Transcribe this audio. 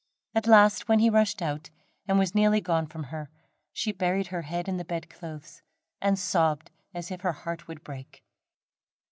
At last, when he rushed out, and was nearly gone from her, she buried her head in the bed clothes and sobbed as if her heart would break.